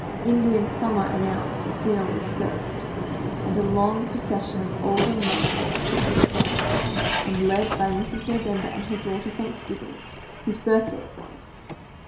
Indian summer announced that dinner was served, and a long procession of old and young was quickly formed, and led by Mrs. November and her daughter Thanksgiving, whose birthday it was.